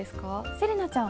せれなちゃん。